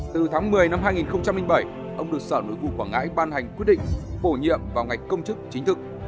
từ tháng một mươi năm hai nghìn bảy ông được sở nội vụ quảng ngãi ban hành quyết định bổ nhiệm vào ngạch công chức chính thức